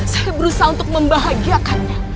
saya berusaha untuk membahagiakannya